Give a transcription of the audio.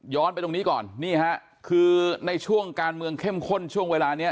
ไปตรงนี้ก่อนนี่ฮะคือในช่วงการเมืองเข้มข้นช่วงเวลานี้